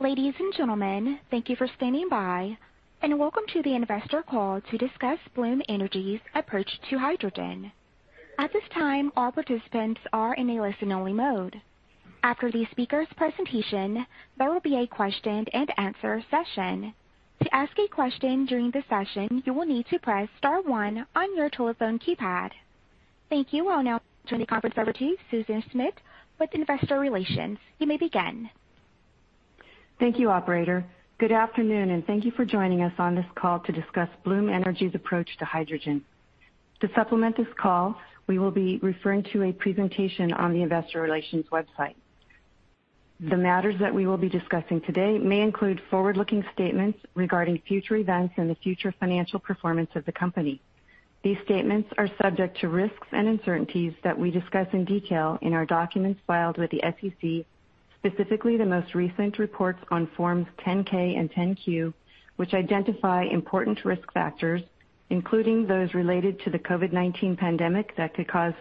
Ladies and gentlemen, thank you for standing by, and welcome to the investor call to discuss Bloom Energy's approach to hydrogen. At this time, all participants are in a listen-only mode. After the speaker's presentation, there will be a question-and-answer session. To ask a question during the session, you will need to press star one on your telephone keypad. Thank you. I'll now turn the conference over to Susan Smith with investor relations. You may begin. Thank you, operator. Good afternoon, and thank you for joining us on this call to discuss Bloom Energy's approach to hydrogen. To supplement this call, we will be referring to a presentation on the investor relations website. The matters that we will be discussing today may include forward-looking statements regarding future events and the future financial performance of the company. These statements are subject to risks and uncertainties that we discuss in detail in our documents filed with the SEC, specifically the most recent reports on Form 10-K and 10-Q, which identify important risk factors, including those related to the COVID-19 pandemic that could cause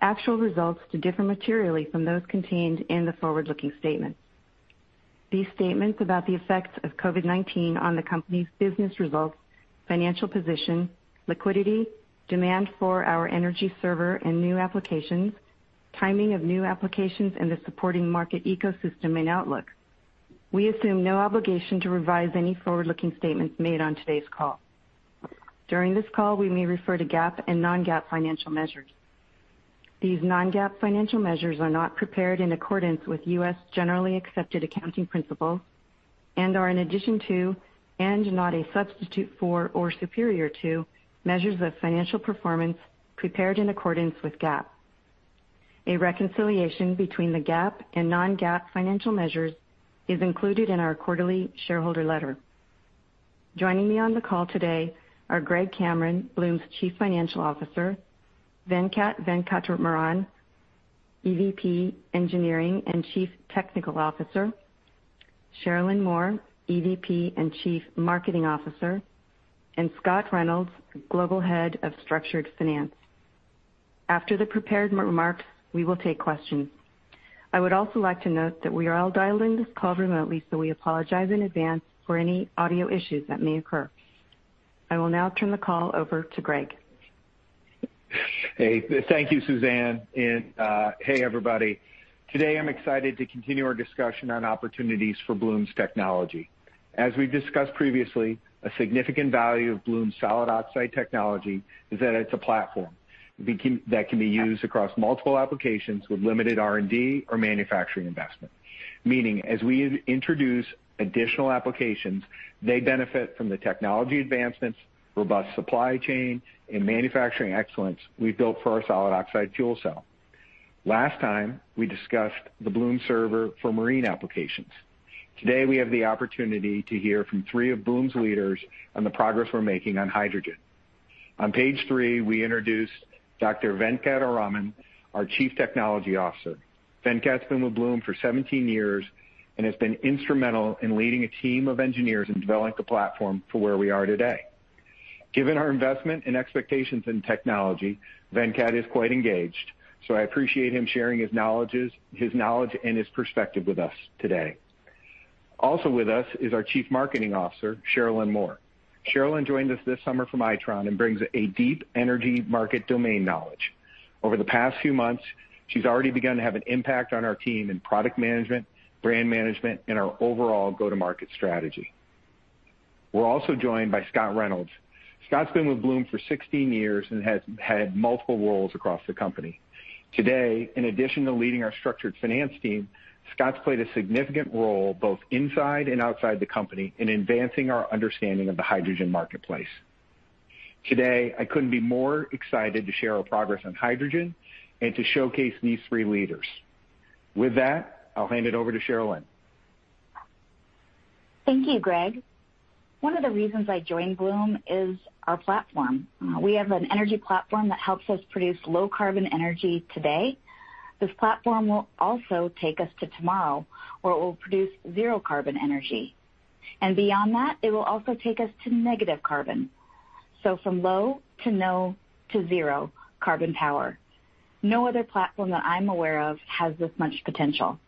actual results to differ materially from those contained in the forward-looking statements. These statements about the effects of COVID-19 on the company's business results, financial position, liquidity, demand for our energy server and new applications, timing of new applications, and the supporting market ecosystem and outlook. We assume no obligation to revise any forward-looking statements made on today's call. During this call, we may refer to GAAP and non-GAAP financial measures. These non-GAAP financial measures are not prepared in accordance with U.S. generally accepted accounting principles and are, in addition to, and not a substitute for or superior to, measures of financial performance prepared in accordance with GAAP. A reconciliation between the GAAP and non-GAAP financial measures is included in our quarterly shareholder letter. Joining me on the call today are Greg Cameron, Bloom's Chief Financial Officer, Venkat Venkataraman, EVP Engineering and Chief Technical Officer, Sharelynn Moore, EVP and Chief Marketing Officer, and Scott Reynolds, Global Head of Structured Finance. After the prepared remarks, we will take questions. I would also like to note that we are all dialed into this call remotely, so we apologize in advance for any audio issues that may occur. I will now turn the call over to Greg. Hey, thank you, Susan, and hey, everybody. Today, I'm excited to continue our discussion on opportunities for Bloom's technology. As we've discussed previously, a significant value of Bloom's solid oxide technology is that it's a platform that can be used across multiple applications with limited R&D or manufacturing investment. Meaning, as we introduce additional applications, they benefit from the technology advancements, robust supply chain, and manufacturing excellence we've built for our solid oxide fuel cell. Last time, we discussed the Bloom server for marine applications. Today, we have the opportunity to hear from three of Bloom's leaders on the progress we're making on hydrogen. On page three, we introduced Dr. Venkat Venkataraman, our Chief Technology Officer. Venkat's been with Bloom for 17 years and has been instrumental in leading a team of engineers in developing the platform for where we are today. Given our investment and expectations in technology, Venkat is quite engaged, so I appreciate him sharing his knowledge and his perspective with us today. Also with us is our Chief Marketing Officer, Sharelynn Moore. Sharelynn joined us this summer from Itron and brings a deep energy market domain knowledge. Over the past few months, she's already begun to have an impact on our team in product management, brand management, and our overall go-to-market strategy. We're also joined by Scott Reynolds. Scott's been with Bloom for 16 years and has had multiple roles across the company. Today, in addition to leading our structured finance team, Scott's played a significant role both inside and outside the company in advancing our understanding of the hydrogen marketplace. Today, I couldn't be more excited to share our progress on hydrogen and to showcase these three leaders. With that, I'll hand it over to Sharelynn. Thank you, Greg. One of the reasons I joined Bloom is our platform. We have an energy platform that helps us produce low-carbon energy today. This platform will also take us to tomorrow, where it will produce zero-carbon energy. And beyond that, it will also take us to negative carbon. So from low to no to zero-carbon power. No other platform that I'm aware of has this much potential.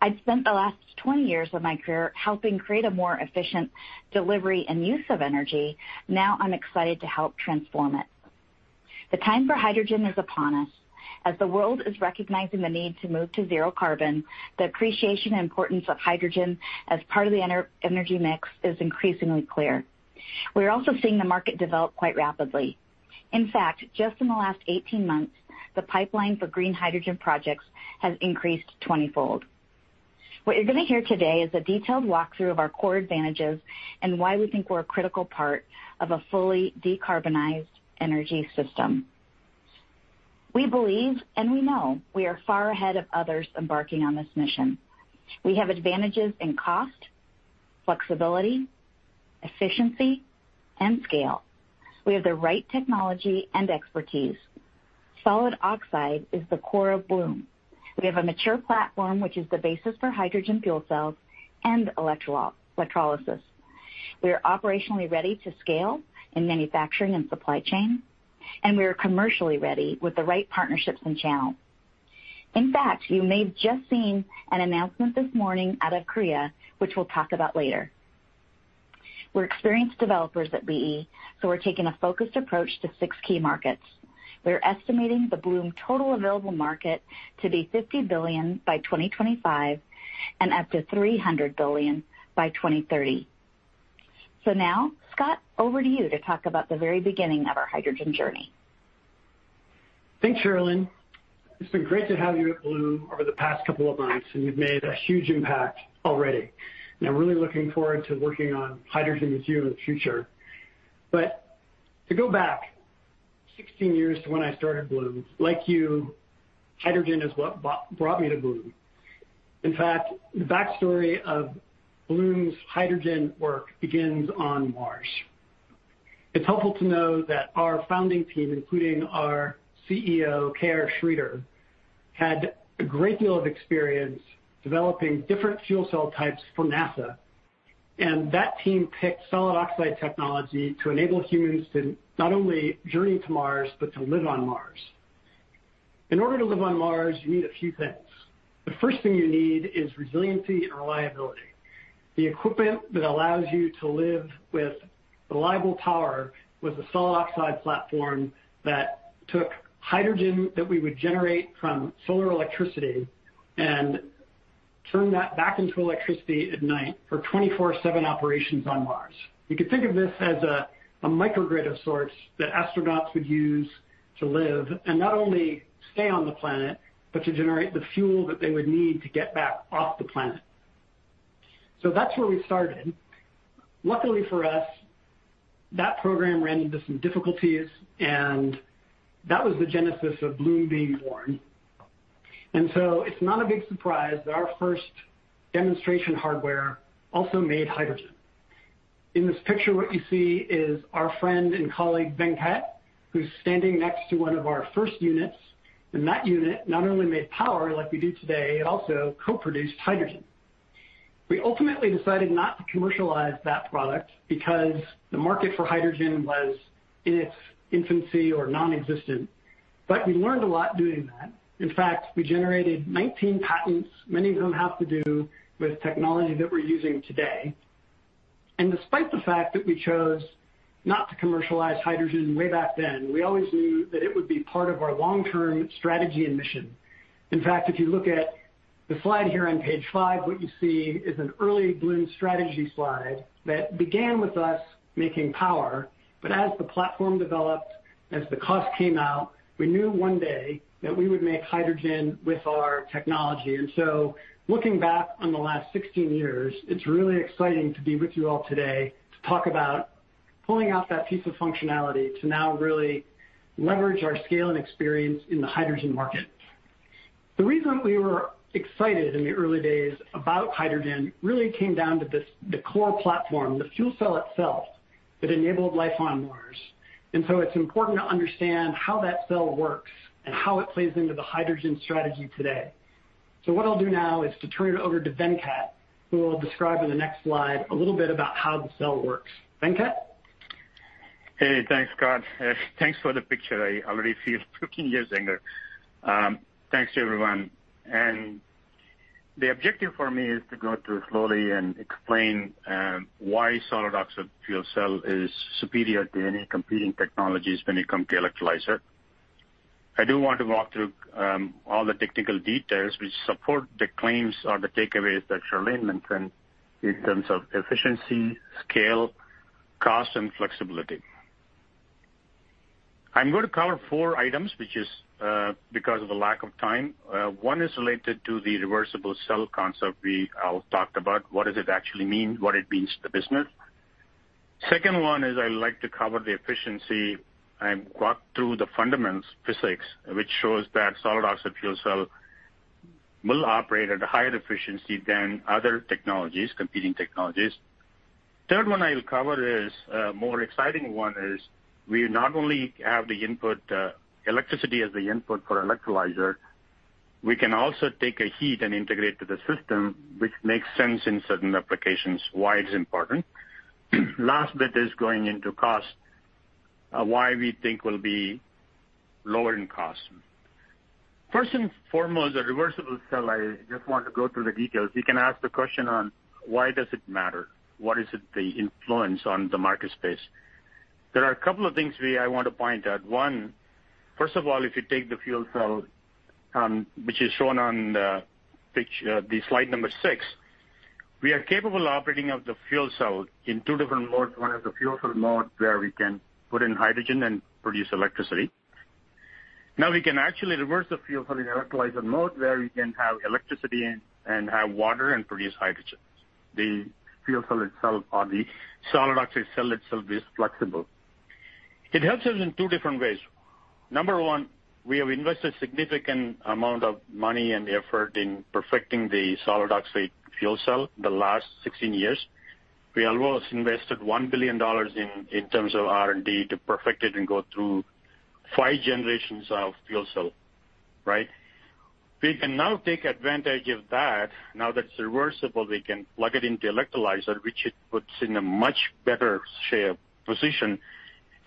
I've spent the last 20 years of my career helping create a more efficient delivery and use of energy. Now I'm excited to help transform it. The time for hydrogen is upon us. As the world is recognizing the need to move to zero-carbon, the appreciation and importance of hydrogen as part of the energy mix is increasingly clear. We're also seeing the market develop quite rapidly. In fact, just in the last 18 months, the pipeline for green hydrogen projects has increased 20-fold. What you're going to hear today is a detailed walkthrough of our core advantages and why we think we're a critical part of a fully decarbonized energy system. We believe, and we know, we are far ahead of others embarking on this mission. We have advantages in cost, flexibility, efficiency, and scale. We have the right technology and expertise. Solid oxide is the core of Bloom. We have a mature platform, which is the basis for hydrogen fuel cells and electrolysis. We are operationally ready to scale in manufacturing and supply chain, and we are commercially ready with the right partnerships and channels. In fact, you may have just seen an announcement this morning out of Korea, which we'll talk about later. We're experienced developers at BE, so we're taking a focused approach to six key markets. We're estimating the Bloom total available market to be $50 billion by 2025 and up to $300 billion by 2030. So now, Scott, over to you to talk about the very beginning of our hydrogen journey. Thanks, Sharelynn. It's been great to have you at Bloom over the past couple of months, and you've made a huge impact already. I'm really looking forward to working on hydrogen with you in the future. To go back 16 years to when I started Bloom, like you, hydrogen is what brought me to Bloom. In fact, the backstory of Bloom's hydrogen work begins on Mars. It's helpful to know that our founding team, including our CEO, K.R. Sridhar, had a great deal of experience developing different fuel cell types for NASA. That team picked solid oxide technology to enable humans to not only journey to Mars, but to live on Mars. In order to live on Mars, you need a few things. The first thing you need is resiliency and reliability. The equipment that allows you to live with reliable power was a solid oxide platform that took hydrogen that we would generate from solar electricity and turn that back into electricity at night for 24/7 operations on Mars. You could think of this as a microgrid of sorts that astronauts would use to live and not only stay on the planet, but to generate the fuel that they would need to get back off the planet. So that's where we started. Luckily for us, that program ran into some difficulties, and that was the genesis of Bloom being born. And so it's not a big surprise that our first demonstration hardware also made hydrogen. In this picture, what you see is our friend and colleague Venkat, who's standing next to one of our first units. And that unit not only made power like we do today, it also co-produced hydrogen. We ultimately decided not to commercialize that product because the market for hydrogen was in its infancy or nonexistent. But we learned a lot doing that. In fact, we generated 19 patents, many of them have to do with technology that we're using today. And despite the fact that we chose not to commercialize hydrogen way back then, we always knew that it would be part of our long-term strategy and mission. In fact, if you look at the slide here on page five, what you see is an early Bloom strategy slide that began with us making power. But as the platform developed, as the cost came out, we knew one day that we would make hydrogen with our technology. And so looking back on the last 16 years, it's really exciting to be with you all today to talk about pulling out that piece of functionality to now really leverage our scale and experience in the hydrogen market. The reason we were excited in the early days about hydrogen really came down to the core platform, the fuel cell itself, that enabled life on Mars. And so it's important to understand how that cell works and how it plays into the hydrogen strategy today. So what I'll do now is to turn it over to Venkat, who will describe in the next slide a little bit about how the cell works. Venkat? Hey, thanks, Scott. Thanks for the picture. I already feel 15 years younger. Thanks to everyone, and the objective for me is to go through slowly and explain why solid oxide fuel cell is superior to any competing technologies when it comes to electrolyzer. I do want to walk through all the technical details which support the claims or the takeaways that Sharelynn mentioned in terms of efficiency, scale, cost, and flexibility. I'm going to cover four items, which is because of the lack of time. One is related to the reversible cell concept we all talked about. What does it actually mean? What it means to the business? The second one is I'd like to cover the efficiency. I walked through the fundamentals, physics, which shows that solid oxide fuel cell will operate at a higher efficiency than other technologies, competing technologies. The third one I'll cover is a more exciting one. We not only have the input electricity as the input for electrolyzer, we can also take a heat and integrate to the system, which makes sense in certain applications why it's important. Last bit is going into cost, why we think will be lower in cost. First and foremost, the reversible cell, I just want to go through the details. You can ask the question on why does it matter? What is the influence on the market space? There are a couple of things I want to point out. One, first of all, if you take the fuel cell, which is shown on the slide number six, we are capable of operating the fuel cell in two different modes. One is the fuel cell mode where we can put in hydrogen and produce electricity. Now we can actually reverse the fuel cell in electrolyzer mode where we can have electricity and have water and produce hydrogen. The fuel cell itself, or the solid oxide cell itself, is flexible. It helps us in two different ways. Number one, we have invested a significant amount of money and effort in perfecting the solid oxide fuel cell the last 16 years. We almost invested $1 billion in terms of R&D to perfect it and go through five generations of fuel cell. Right? We can now take advantage of that. Now that it's reversible, we can plug it into electrolyzer, which puts it in a much better position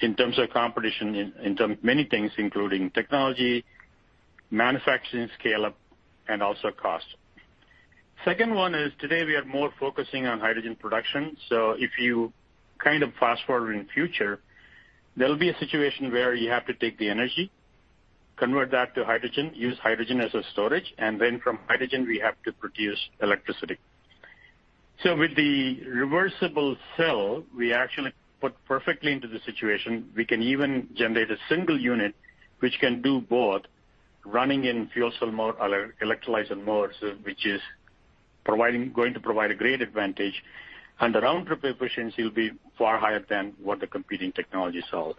in terms of competition in many things, including technology, manufacturing scale-up, and also cost. Second one is today we are more focusing on hydrogen production. So if you kind of fast forward in the future, there'll be a situation where you have to take the energy, convert that to hydrogen, use hydrogen as a storage, and then from hydrogen, we have to produce electricity. With the reversible cell, we actually fit perfectly into the situation. We can even generate a single unit which can do both running in fuel cell mode or electrolyzer mode, which is going to provide a great advantage. And the round trip efficiency will be far higher than what the competing technologies are.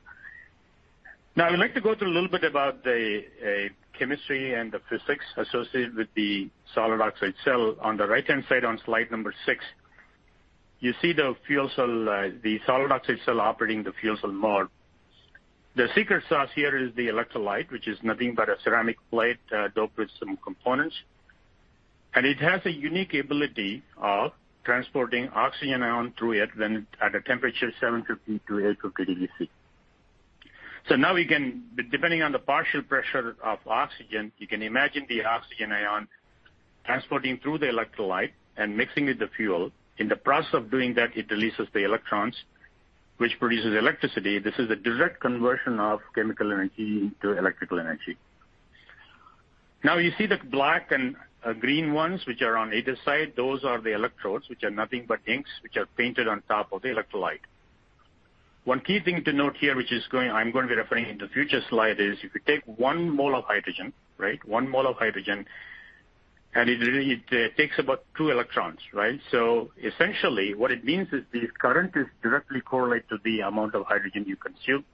Now, I'd like to go through a little bit about the chemistry and the physics associated with the solid oxide cell. On the right-hand side on slide number six, you see the solid oxide cell operating in the fuel cell mode. The secret sauce here is the electrolyte, which is nothing but a ceramic plate doped with some components, and it has a unique ability of transporting oxygen ions through it at a temperature of 750-850 degrees Celsius, so now we can, depending on the partial pressure of oxygen, you can imagine the oxygen ion transporting through the electrolyte and mixing with the fuel. In the process of doing that, it releases the electrons, which produces electricity. This is a direct conversion of chemical energy into electrical energy. Now, you see the black and green ones, which are on either side. Those are the electrodes, which are nothing but inks, which are painted on top of the electrolyte. One key thing to note here, which I'm going to be referring to in the future slide, is if you take one mole of hydrogen, right, one mole of hydrogen, and it takes about two electrons. Right? So essentially, what it means is the current is directly correlated to the amount of hydrogen you consume,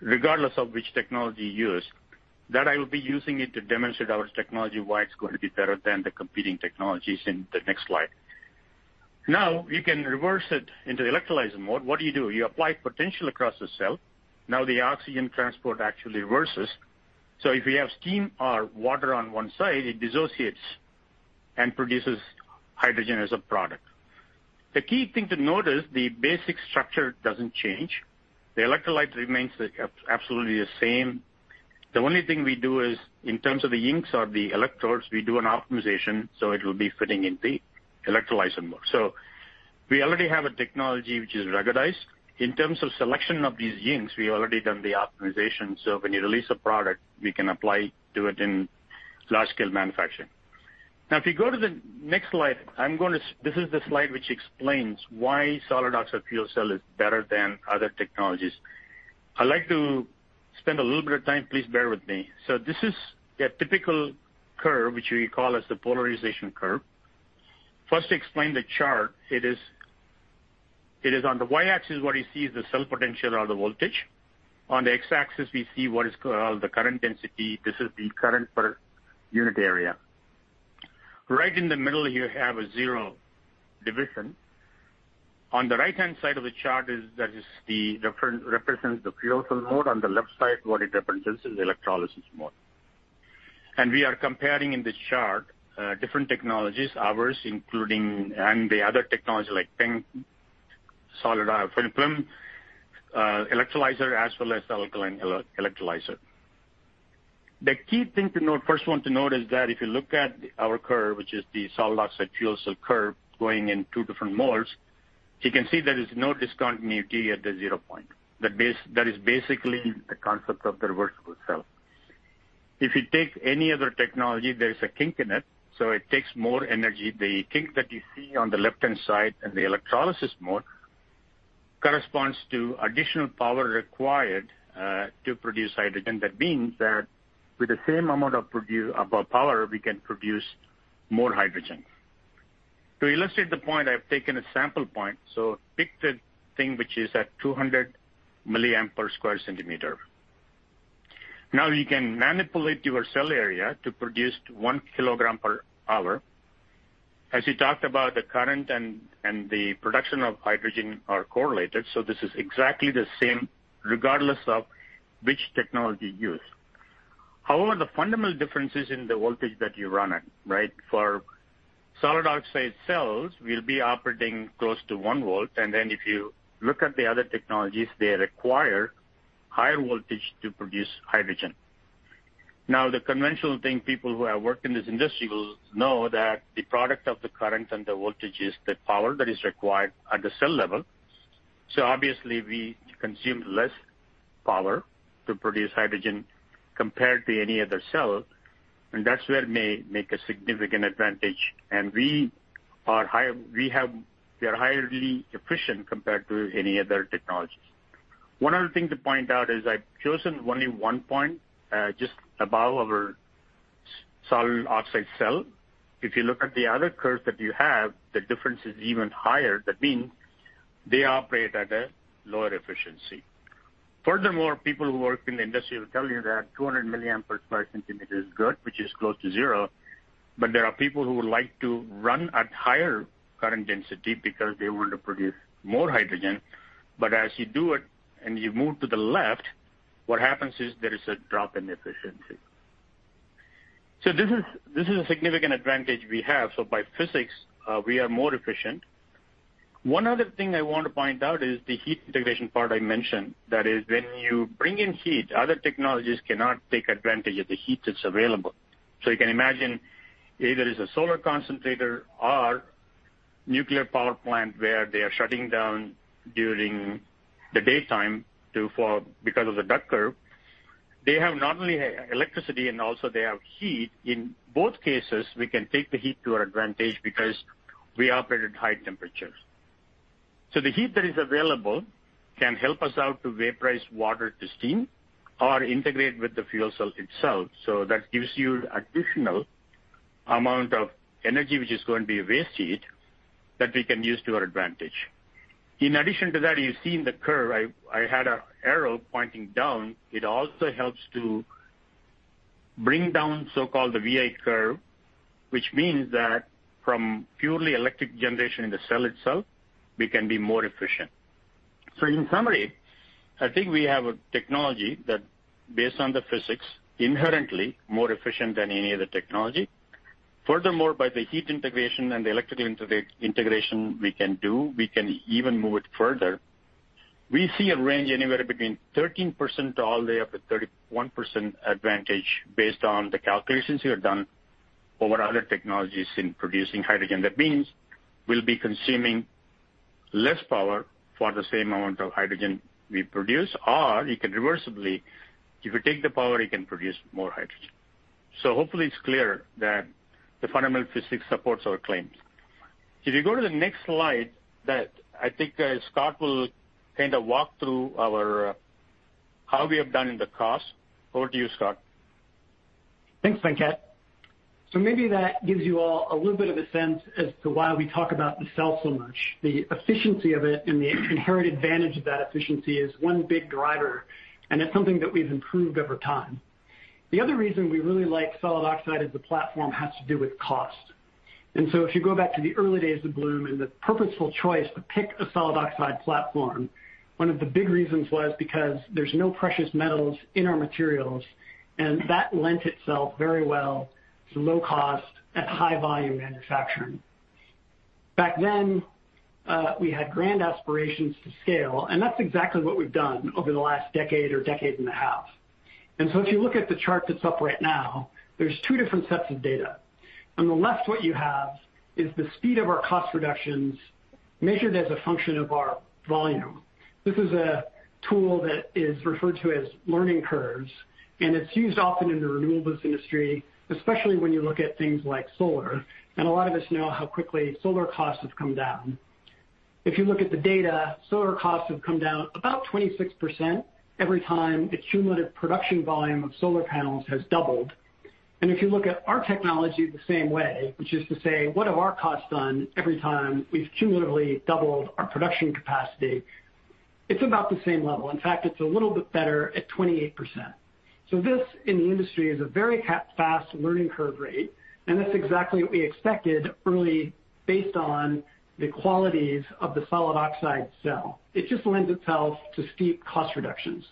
regardless of which technology you use. That, I will be using it to demonstrate our technology, why it's going to be better than the competing technologies in the next slide. Now, you can reverse it into the electrolyzer mode. What do you do? You apply potential across the cell. Now the oxygen transport actually reverses. So if we have steam or water on one side, it dissociates and produces hydrogen as a product. The key thing to note is the basic structure doesn't change. The electrolyte remains absolutely the same. The only thing we do is, in terms of the inks or the electrodes, we do an optimization so it will be fitting in the electrolyzer mode. So we already have a technology which is ruggedized. In terms of selection of these inks, we have already done the optimization. So when you release a product, we can apply to it in large-scale manufacturing. Now, if you go to the next slide, this is the slide which explains why solid oxide fuel cell is better than other technologies. I'd like to spend a little bit of time. Please bear with me. So this is a typical curve, which we call the polarization curve. First, to explain the chart, it is on the y-axis, what you see is the cell potential or the voltage. On the x-axis, we see what is called the current density. This is the current per unit area. Right in the middle, you have a zero division. On the right-hand side of the chart, that represents the fuel cell mode. On the left side, what it represents is the electrolysis mode. And we are comparing in the chart different technologies, ours, including the other technology like PEM electrolyzer, as well as alkaline electrolyzer. The key thing to note, first one to note is that if you look at our curve, which is the solid oxide fuel cell curve going in two different modes, you can see there is no discontinuity at the zero point. That is basically the concept of the reversible cell. If you take any other technology, there is a kink in it. So it takes more energy. The kink that you see on the left-hand side in the electrolysis mode corresponds to additional power required to produce hydrogen. That means that with the same amount of power, we can produce more hydrogen. To illustrate the point, I've taken a sample point. So pick the thing which is at 200 milliampere square centimeter. Now, you can manipulate your cell area to produce one kilogram per hour. As we talked about, the current and the production of hydrogen are correlated. So this is exactly the same regardless of which technology you use. However, the fundamental difference is in the voltage that you run at. Right? For solid oxide cells, we'll be operating close to one volt. And then if you look at the other technologies, they require higher voltage to produce hydrogen. Now, the conventional thing, people who have worked in this industry will know that the product of the current and the voltage is the power that is required at the cell level. So obviously, we consume less power to produce hydrogen compared to any other cell. And that's where it may make a significant advantage. And we are highly efficient compared to any other technologies. One other thing to point out is I've chosen only one point just above our solid oxide cell. If you look at the other curve that you have, the difference is even higher. That means they operate at a lower efficiency. Furthermore, people who work in the industry will tell you that 200 milliamperes per square centimeter is good, which is close to zero. But there are people who would like to run at higher current density because they want to produce more hydrogen. But as you do it and you move to the left, what happens is there is a drop in efficiency. So this is a significant advantage we have. So by physics, we are more efficient. One other thing I want to point out is the heat integration part I mentioned. That is, when you bring in heat, other technologies cannot take advantage of the heat that's available. So you can imagine either it's a solar concentrator or nuclear power plant where they are shutting down during the daytime because of the Duck Curve. They have not only electricity and also they have heat. In both cases, we can take the heat to our advantage because we operate at high temperatures. So the heat that is available can help us out to vaporize water to steam or integrate with the fuel cell itself. So that gives you additional amount of energy, which is going to be waste heat, that we can use to our advantage. In addition to that, you see in the curve, I had an arrow pointing down. It also helps to bring down the so-called VA Curve, which means that from purely electric generation in the cell itself, we can be more efficient. So in summary, I think we have a technology that, based on the physics, inherently more efficient than any other technology. Furthermore, by the heat integration and the electrical integration we can do, we can even move it further. We see a range anywhere between 13% all the way up to 31% advantage based on the calculations we have done over other technologies in producing hydrogen. That means we'll be consuming less power for the same amount of hydrogen we produce. Or you can reversibly, if you take the power, you can produce more hydrogen. So hopefully, it's clear that the fundamental physics supports our claims. If you go to the next slide, I think Scott will kind of walk through how we have done in the cost. Over to you, Scott. Thanks, Venkat. So maybe that gives you all a little bit of a sense as to why we talk about the cell so much. The efficiency of it and the inherent advantage of that efficiency is one big driver. And it's something that we've improved over time. The other reason we really like solid oxide as a platform has to do with cost. And so if you go back to the early days of Bloom and the purposeful choice to pick a solid oxide platform, one of the big reasons was because there's no precious metals in our materials. And that lent itself very well to low-cost and high-volume manufacturing. Back then, we had grand aspirations to scale. And that's exactly what we've done over the last decade or decade and a half. And so if you look at the chart that's up right now, there's two different sets of data. On the left, what you have is the speed of our cost reductions measured as a function of our volume. This is a tool that is referred to as learning curves. And it's used often in the renewables industry, especially when you look at things like solar. And a lot of us know how quickly solar costs have come down. If you look at the data, solar costs have come down about 26% every time the cumulative production volume of solar panels has doubled. And if you look at our technology the same way, which is to say, what have our costs done every time we've cumulatively doubled our production capacity? It's about the same level. In fact, it's a little bit better at 28%. This in the industry is a very fast learning curve rate. And that's exactly what we expected early based on the qualities of the solid oxide cell. It just lends itself to steep cost reductions.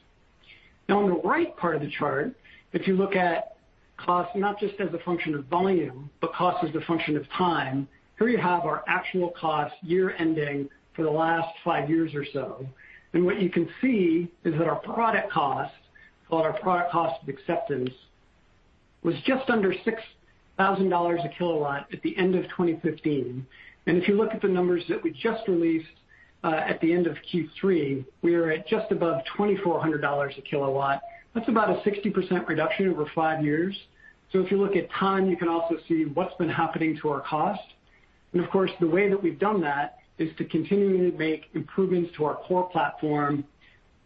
Now, on the right part of the chart, if you look at cost not just as a function of volume, but cost as a function of time, here you have our actual cost year-ending for the last five years or so. And what you can see is that our product cost, called our product cost of acceptance, was just under $6,000 a kilowatt at the end of 2015. And if you look at the numbers that we just released at the end of Q3, we were at just above $2,400 a kilowatt. That's about a 60% reduction over five years. So if you look at time, you can also see what's been happening to our cost. And of course, the way that we've done that is to continually make improvements to our core platform.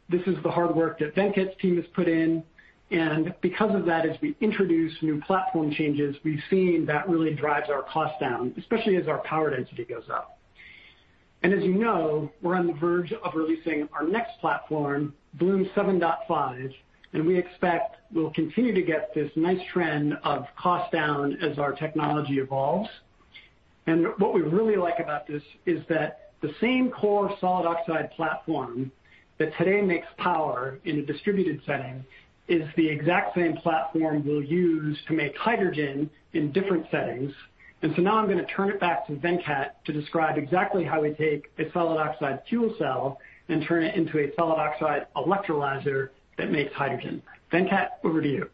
This is the hard work that Venkat's team has put in. And because of that, as we introduce new platform changes, we've seen that really drives our cost down, especially as our power density goes up. And as you know, we're on the verge of releasing our next platform, Bloom 7.5. And we expect we'll continue to get this nice trend of cost down as our technology evolves. And what we really like about this is that the same core solid oxide platform that today makes power in a distributed setting is the exact same platform we'll use to make hydrogen in different settings. And so now I'm going to turn it back to Venkat to describe exactly how we take a solid oxide fuel cell and turn it into a solid oxide electrolyzer that makes hydrogen. Venkat, over to you.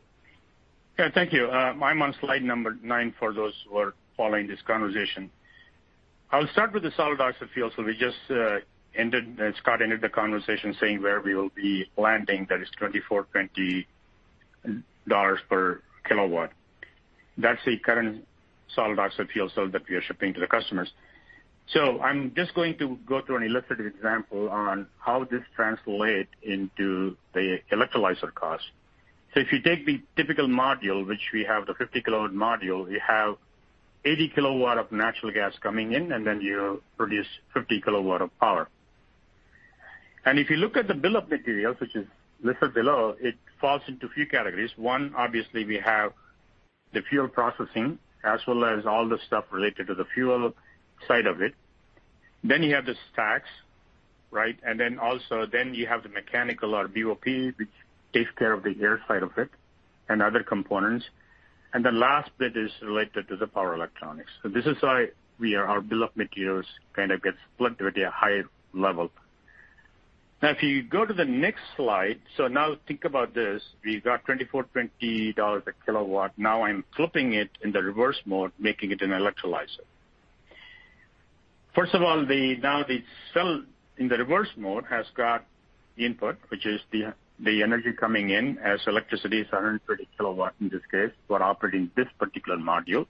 Thank you. I'm on slide number 9 for those who are following this conversation. I'll start with the solid oxide fuel cell. Scott ended the conversation saying where we will be landing. That is $2,420 per kilowatt. That's the current solid oxide fuel cell that we are shipping to the customers. So I'm just going to go through an illustrative example on how this translates into the electrolyzer cost. So if you take the typical module, which we have the 50-kilowatt module, you have 80 kilowatts of natural gas coming in, and then you produce 50 kilowatts of power. And if you look at the bill of materials, which is listed below, it falls into a few categories. One, obviously, we have the fuel processing as well as all the stuff related to the fuel side of it. Then you have the stacks. Right? And then also, you have the mechanical or BOP, which takes care of the air side of it and other components. And the last bit is related to the power electronics. So this is why our bill of materials kind of gets split at a higher level. Now, if you go to the next slide, so now think about this. We've got $2,420 a kilowatt. Now I'm flipping it in the reverse mode, making it an electrolyzer. First of all, now the cell in the reverse mode has got input, which is the energy coming in as electricity, is 130 kilowatts in this case for operating this particular module.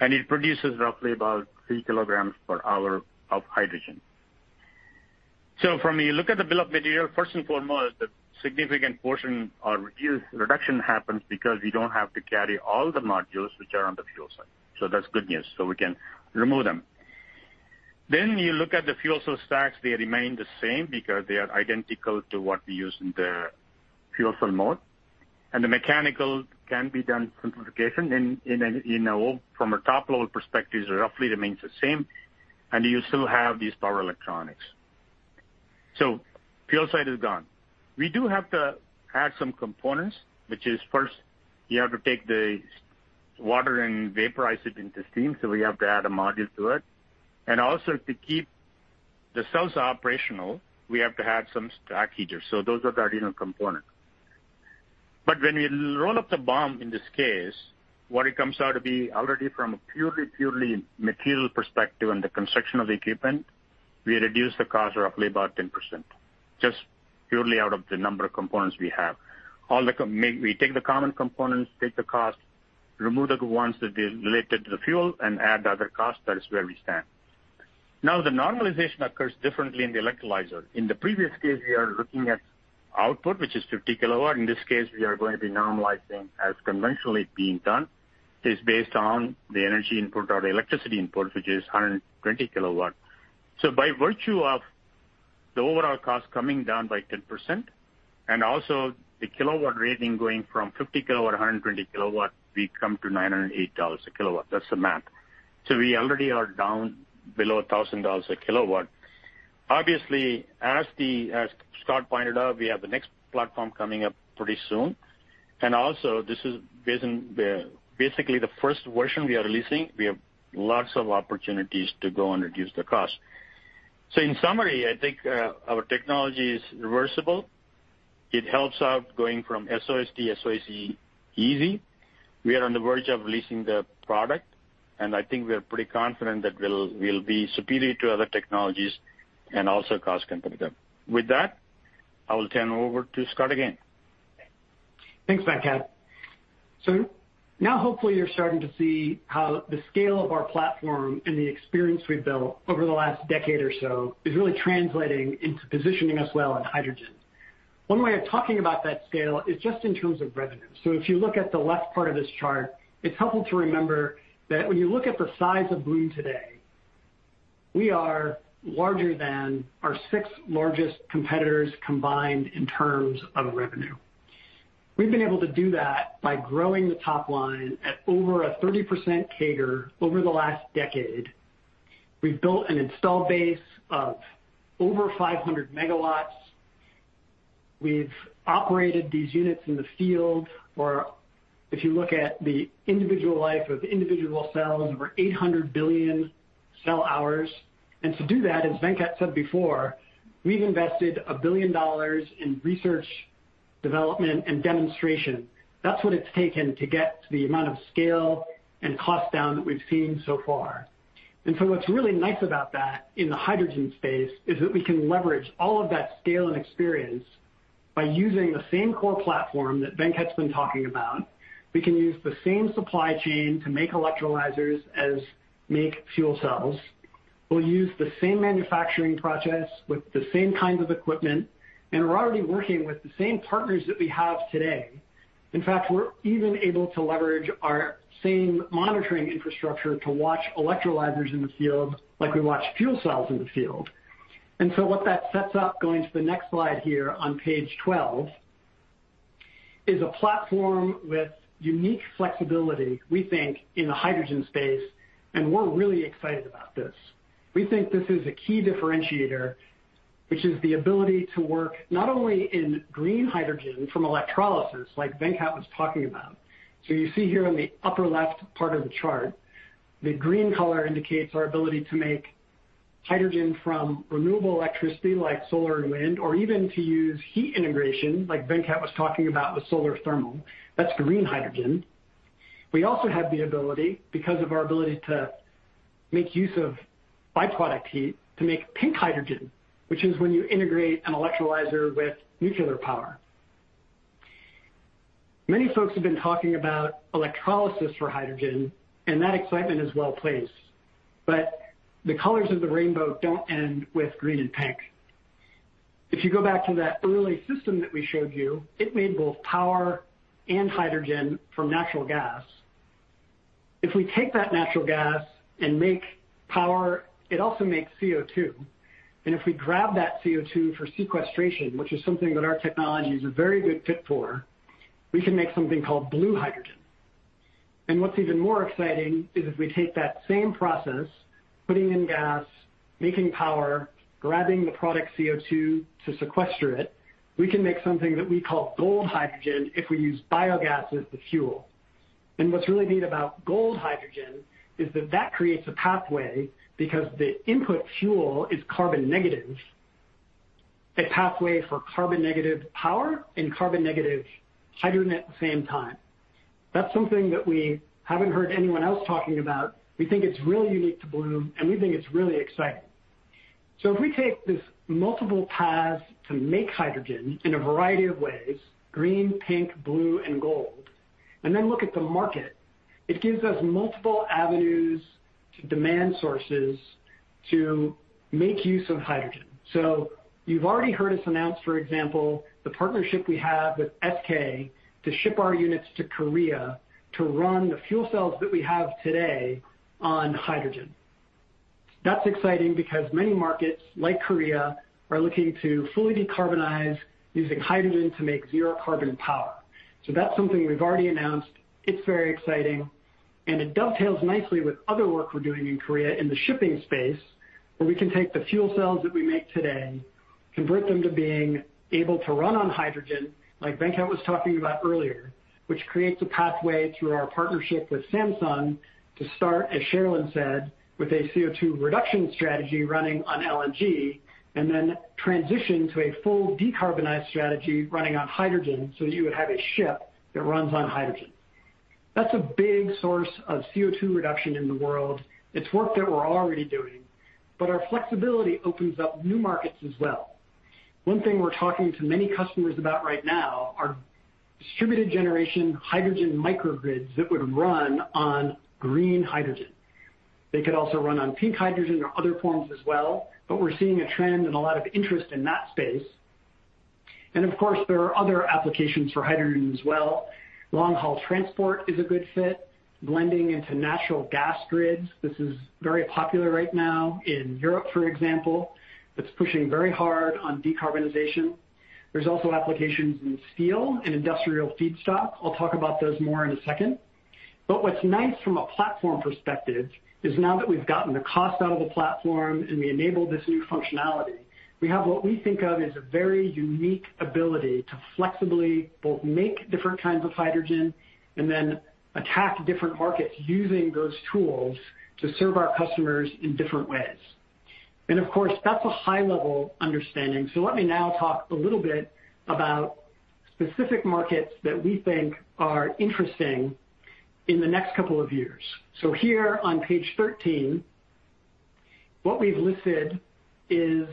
And it produces roughly about three kilograms per hour of hydrogen. So if you look at the bill of materials, first and foremost, the significant portion of the reduction happens because we don't have to carry all the modules which are on the fuel cell. So that's good news. So we can remove them. Then you look at the fuel cell stacks. They remain the same because they are identical to what we use in the fuel cell mode. And the mechanical can be with simplification. From a top-level perspective, it roughly remains the same. And you still have these power electronics. So fuel cell is gone. We do have to add some components, which is first, you have to take the water and vaporize it into steam. So we have to add a module to it. And also, to keep the cells operational, we have to add some stack heaters. So those are the added components. But when we roll up the BOM in this case, what it comes out to be already from a purely, purely material perspective and the construction of the equipment, we reduce the cost roughly about 10% just purely out of the number of components we have. We take the common components, take the cost, remove the ones that are related to the fuel, and add other costs. That is where we stand. Now, the normalization occurs differently in the electrolyzer. In the previous case, we are looking at output, which is 50 kilowatts. In this case, we are going to be normalizing as conventionally being done. It's based on the energy input or the electricity input, which is 120 kilowatts. So by virtue of the overall cost coming down by 10% and also the kilowatt rating going from 50 kilowatts to 120 kilowatts, we come to $908 a kilowatt. That's the math, so we already are down below $1,000 a kilowatt. Obviously, as Scott pointed out, we have the next platform coming up pretty soon, and also, this is basically the first version we are releasing. We have lots of opportunities to go and reduce the cost, so in summary, I think our technology is reversible. It helps out going from SOFC, SOE, easy. We are on the verge of releasing the product, and I think we are pretty confident that we'll be superior to other technologies and also cost-competitive. With that, I will turn over to Scott again. Thanks, Venkat. So now, hopefully, you're starting to see how the scale of our platform and the experience we've built over the last decade or so is really translating into positioning us well on hydrogen. One way of talking about that scale is just in terms of revenue. So if you look at the left part of this chart, it's helpful to remember that when you look at the size of Bloom today, we are larger than our six largest competitors combined in terms of revenue. We've been able to do that by growing the top line at over a 30% CAGR over the last decade. We've built an install base of over 500 megawatts. We've operated these units in the field, or if you look at the individual life of individual cells, over 800 billion cell hours. To do that, as Venkat said before, we've invested $1 billion in research, development, and demonstration. That's what it's taken to get to the amount of scale and cost down that we've seen so far. And so what's really nice about that in the hydrogen space is that we can leverage all of that scale and experience by using the same core platform that Venkat's been talking about. We can use the same supply chain to make electrolyzers as make fuel cells. We'll use the same manufacturing process with the same kinds of equipment. And we're already working with the same partners that we have today. In fact, we're even able to leverage our same monitoring infrastructure to watch electrolyzers in the field like we watch fuel cells in the field. And so what that sets up, going to the next slide here on page 12, is a platform with unique flexibility, we think, in the hydrogen space. And we're really excited about this. We think this is a key differentiator, which is the ability to work not only in green hydrogen from electrolysis like Venkat was talking about. So you see here on the upper left part of the chart, the green color indicates our ability to make hydrogen from renewable electricity like solar and wind, or even to use heat integration like Venkat was talking about with solar thermal. That's green hydrogen. We also have the ability, because of our ability to make use of byproduct heat, to make pink hydrogen, which is when you integrate an electrolyzer with nuclear power. Many folks have been talking about electrolysis for hydrogen, and that excitement is well placed. But the colors of the rainbow don't end with green and pink. If you go back to that early system that we showed you, it made both power and hydrogen from natural gas. If we take that natural gas and make power, it also makes CO2. And if we grab that CO2 for sequestration, which is something that our technology is a very good fit for, we can make something called blue hydrogen. And what's even more exciting is if we take that same process, putting in gas, making power, grabbing the product CO2 to sequester it, we can make something that we call gold hydrogen if we use biogas as the fuel. And what's really neat about gold hydrogen is that that creates a pathway because the input fuel is carbon negative, a pathway for carbon negative power and carbon negative hydrogen at the same time. That's something that we haven't heard anyone else talking about. We think it's really unique to Bloom, and we think it's really exciting. So if we take this multiple paths to make hydrogen in a variety of ways, green, pink, blue, and gold, and then look at the market, it gives us multiple avenues to demand sources to make use of hydrogen. So you've already heard us announce, for example, the partnership we have with SK to ship our units to Korea to run the fuel cells that we have today on hydrogen. That's exciting because many markets like Korea are looking to fully decarbonize using hydrogen to make zero-carbon power. So that's something we've already announced. It's very exciting. And it dovetails nicely with other work we're doing in Korea in the shipping space, where we can take the fuel cells that we make today, convert them to being able to run on hydrogen, like Venkat was talking about earlier, which creates a pathway through our partnership with Samsung to start, as Sharelynn said, with a CO2 reduction strategy running on LNG, and then transition to a full decarbonized strategy running on hydrogen so that you would have a ship that runs on hydrogen. That's a big source of CO2 reduction in the world. It's work that we're already doing. But our flexibility opens up new markets as well. One thing we're talking to many customers about right now are distributed generation hydrogen microgrids that would run on green hydrogen. They could also run on pink hydrogen or other forms as well. But we're seeing a trend and a lot of interest in that space. And of course, there are other applications for hydrogen as well. Long-haul transport is a good fit, blending into natural gas grids. This is very popular right now in Europe, for example. It's pushing very hard on decarbonization. There's also applications in steel and industrial feedstock. I'll talk about those more in a second. But what's nice from a platform perspective is now that we've gotten the cost out of the platform and we enabled this new functionality, we have what we think of as a very unique ability to flexibly both make different kinds of hydrogen and then attack different markets using those tools to serve our customers in different ways. And of course, that's a high-level understanding. So let me now talk a little bit about specific markets that we think are interesting in the next couple of years. So here on page 13, what we've listed is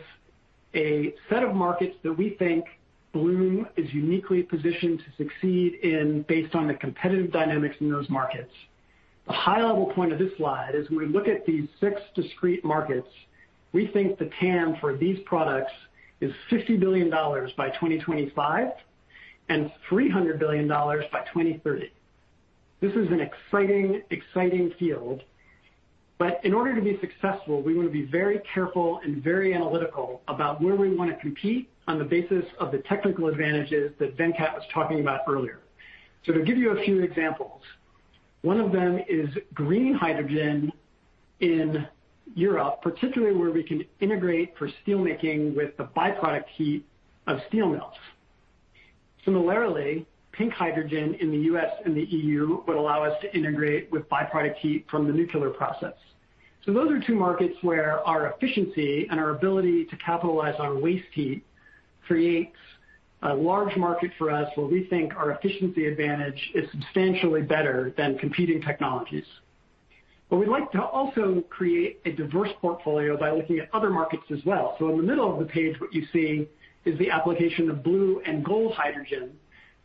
a set of markets that we think Bloom is uniquely positioned to succeed in based on the competitive dynamics in those markets. The high-level point of this slide is when we look at these six discrete markets, we think the TAM for these products is $50 billion by 2025 and $300 billion by 2030. This is an exciting, exciting field. But in order to be successful, we want to be very careful and very analytical about where we want to compete on the basis of the technical advantages that Venkat was talking about earlier. So to give you a few examples, one of them is green hydrogen in Europe, particularly where we can integrate for steelmaking with the byproduct heat of steel mills. Similarly, pink hydrogen in the U.S. and the EU would allow us to integrate with byproduct heat from the nuclear process. So those are two markets where our efficiency and our ability to capitalize on waste heat creates a large market for us where we think our efficiency advantage is substantially better than competing technologies. But we'd like to also create a diverse portfolio by looking at other markets as well. In the middle of the page, what you see is the application of Blue and Gold hydrogen,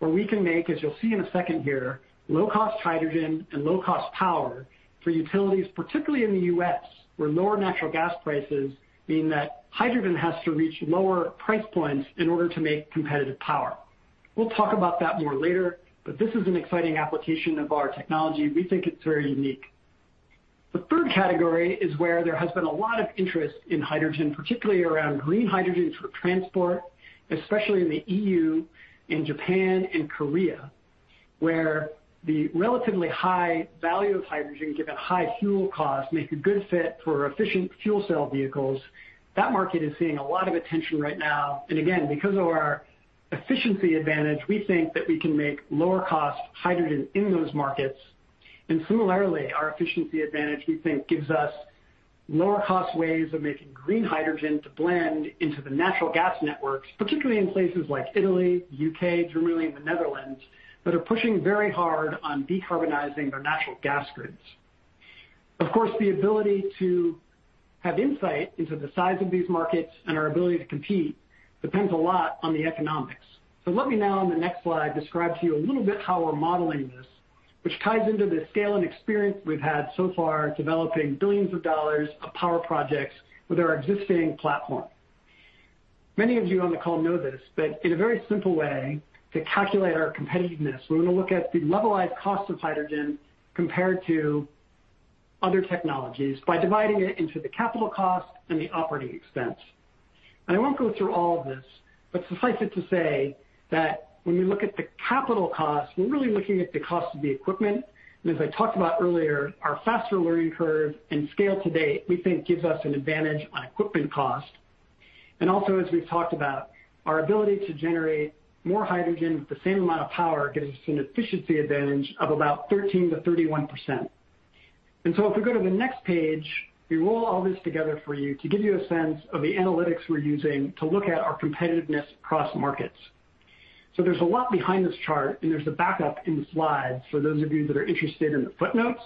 where we can make, as you'll see in a second here, low-cost hydrogen and low-cost power for utilities, particularly in the U.S., where lower natural gas prices mean that hydrogen has to reach lower price points in order to make competitive power. We'll talk about that more later. But this is an exciting application of our technology. We think it's very unique. The third category is where there has been a lot of interest in hydrogen, particularly around Green hydrogen for transport, especially in the E.U. and Japan and Korea, where the relatively high value of hydrogen, given high fuel costs, makes a good fit for efficient fuel cell vehicles. That market is seeing a lot of attention right now. Again, because of our efficiency advantage, we think that we can make lower-cost hydrogen in those markets. Similarly, our efficiency advantage, we think, gives us lower-cost ways of making green hydrogen to blend into the natural gas networks, particularly in places like Italy, the U.K., Germany, and the Netherlands, that are pushing very hard on decarbonizing their natural gas grids. Of course, the ability to have insight into the size of these markets and our ability to compete depends a lot on the economics. Let me now, on the next slide, describe to you a little bit how we're modeling this, which ties into the scale and experience we've had so far developing billions of dollars of power projects with our existing platform. Many of you on the call know this. But in a very simple way to calculate our competitiveness, we're going to look at the levelized cost of hydrogen compared to other technologies by dividing it into the capital cost and the operating expense. And I won't go through all of this, but suffice it to say that when we look at the capital cost, we're really looking at the cost of the equipment. And as I talked about earlier, our faster learning curve and scale today, we think, gives us an advantage on equipment cost. And also, as we've talked about, our ability to generate more hydrogen with the same amount of power gives us an efficiency advantage of about 13%-31%. And so if we go to the next page, we roll all this together for you to give you a sense of the analytics we're using to look at our competitiveness across markets. So there's a lot behind this chart, and there's a backup in the slides for those of you that are interested in the footnotes.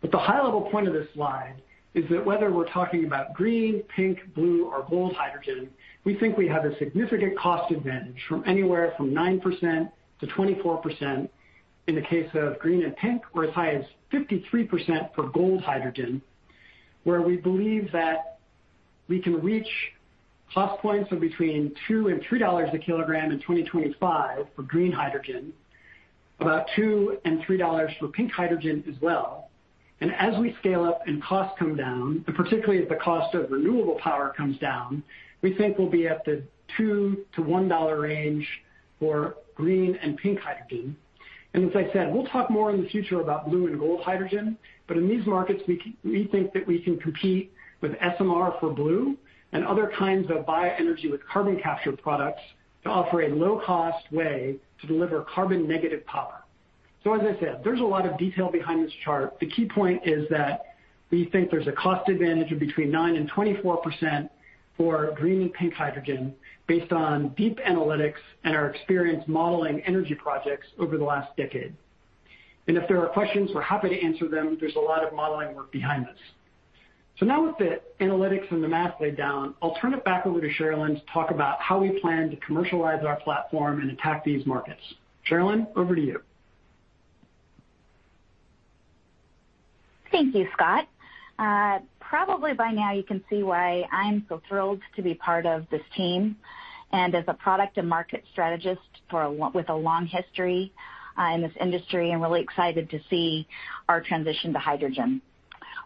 But the high-level point of this slide is that whether we're talking about green, pink, blue, or gold hydrogen, we think we have a significant cost advantage from anywhere from 9% to 24% in the case of green and pink, or as high as 53% for gold hydrogen, where we believe that we can reach cost points of between $2 and $3 a kilogram in 2025 for green hydrogen, about $2 and $3 for pink hydrogen as well. And as we scale up and costs come down, and particularly if the cost of renewable power comes down, we think we'll be at the $2 to $1 range for green and pink hydrogen. As I said, we'll talk more in the future about blue and gold hydrogen. In these markets, we think that we can compete with SMR for blue and other kinds of bioenergy with carbon capture products to offer a low-cost way to deliver carbon negative power. As I said, there's a lot of detail behind this chart. The key point is that we think there's a cost advantage of between 9% and 24% for green and pink hydrogen based on deep analytics and our experience modeling energy projects over the last decade. If there are questions, we're happy to answer them. There's a lot of modeling work behind this. Now with the analytics and the math laid down, I'll turn it back over to Sharelynn to talk about how we plan to commercialize our platform and attack these markets. Sharelynn, over to you. Thank you, Scott. Probably by now, you can see why I'm so thrilled to be part of this team and as a product and market strategist with a long history in this industry and really excited to see our transition to hydrogen.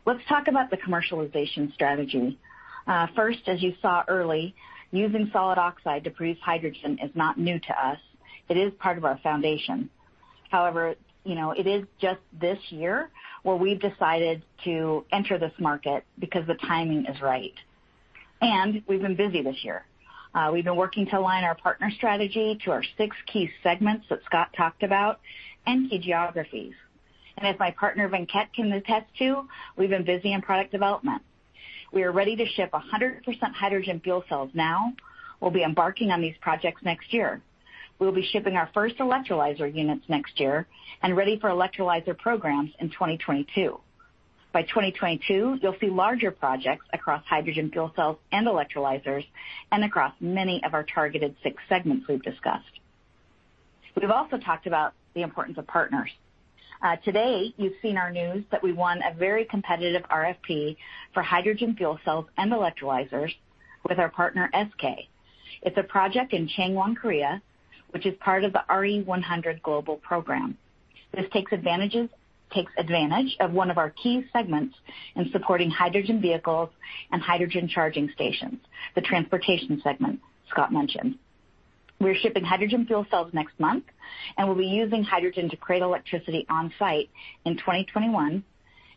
Let's talk about the commercialization strategy. First, as you saw early, using solid oxide to produce hydrogen is not new to us. It is part of our foundation. However, it is just this year where we've decided to enter this market because the timing is right. And we've been busy this year. We've been working to align our partner strategy to our six key segments that Scott talked about and key geographies. And as my partner Venkat can attest to, we've been busy in product development. We are ready to ship 100% hydrogen fuel cells now. We'll be embarking on these projects next year. We'll be shipping our first electrolyzer units next year and ready for electrolyzer programs in 2022. By 2022, you'll see larger projects across hydrogen fuel cells and electrolyzers and across many of our targeted six segments we've discussed. We've also talked about the importance of partners. Today, you've seen our news that we won a very competitive RFP for hydrogen fuel cells and electrolyzers with our partner SK. It's a project in Changwon, South Korea, which is part of the RE100 Global Program. This takes advantage of one of our key segments in supporting hydrogen vehicles and hydrogen charging stations, the transportation segment Scott mentioned. We're shipping hydrogen fuel cells next month, and we'll be using hydrogen to create electricity on site in 2021,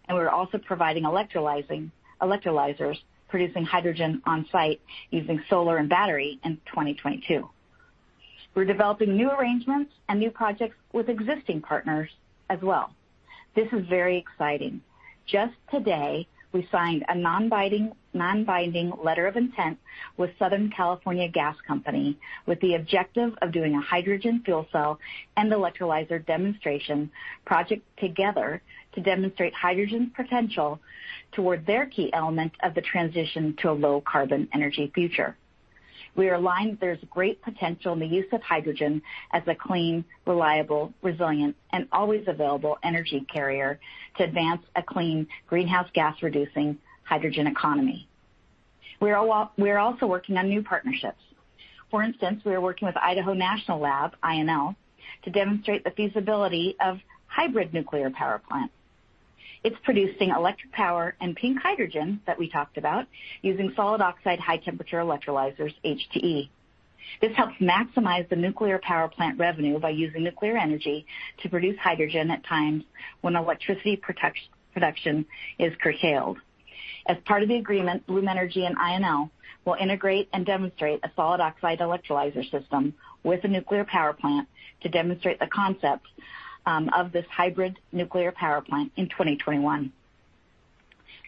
and we're also providing electrolyzers producing hydrogen on site using solar and battery in 2022. We're developing new arrangements and new projects with existing partners as well. This is very exciting. Just today, we signed a non-binding letter of intent with Southern California Gas Company with the objective of doing a hydrogen fuel cell and electrolyzer demonstration project together to demonstrate hydrogen's potential toward their key element of the transition to a low-carbon energy future. We are aligned that there's great potential in the use of hydrogen as a clean, reliable, resilient, and always available energy carrier to advance a clean greenhouse gas-reducing hydrogen economy. We are also working on new partnerships. For instance, we are working with Idaho National Laboratory, INL, to demonstrate the feasibility of hybrid nuclear power plants. It's producing electric power and pink hydrogen that we talked about using solid oxide high-temperature electrolyzers, HTE. This helps maximize the nuclear power plant revenue by using nuclear energy to produce hydrogen at times when electricity production is curtailed. As part of the agreement, Bloom Energy and INL will integrate and demonstrate a solid oxide electrolyzer system with a nuclear power plant to demonstrate the concept of this hybrid nuclear power plant in 2021.